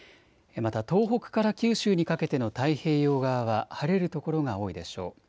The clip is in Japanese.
また東北から九州にかけての太平洋側は晴れる所が多いでしょう。